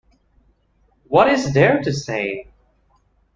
What Is There to Say?